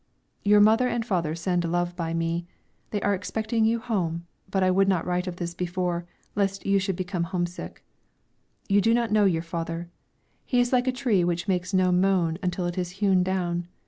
Your mother and father send love by me. They are expecting you home; but I would not write of this before, lest you should become homesick. You do not know your father; he is like a tree which makes no moan until it is hewn down.